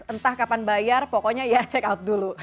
entah kapan bayar pokoknya ya check out dulu